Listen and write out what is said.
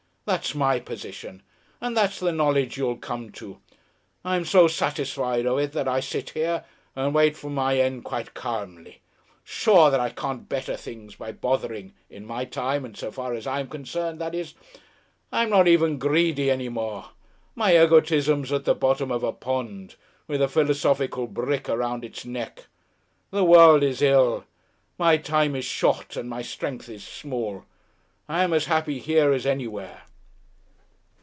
That's my position, and that's the knowledge you'll come to. I'm so satisfied of it that I sit here and wait for my end quite calmly, sure that I can't better things by bothering in my time, and so far as I am concerned, that is. I'm not even greedy any more my egotism's at the bottom of a pond, with a philosophical brick around its neck. The world is ill, my time is short and my strength is small. I'm as happy here as anywhere."